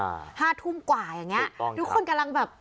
อ่าห้าทุ่มกว่าอย่างเงี้ยเฉยต้องทุกคนกำลังแบบอ๋อ